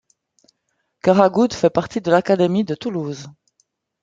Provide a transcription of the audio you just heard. Caragoudes fait partie de l'académie de Toulouse.